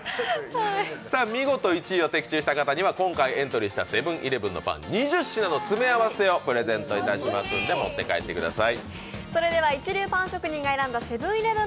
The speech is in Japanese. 見事１位を的中方には今回エントリーしたセブン−イレブンのパン、２０品の詰め合わせをプレゼントしますので持って帰ってください。